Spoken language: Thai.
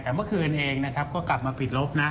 แต่เมื่อคืนเองนะครับก็กลับมาปิดลบนะ